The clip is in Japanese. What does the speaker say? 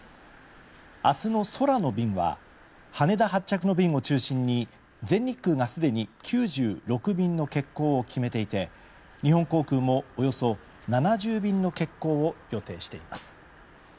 明日の空の便は羽田発着の便を中心に全日空がすでに９６便の欠航を決めていて日本航空もおよそ７０便の欠航を予定しています。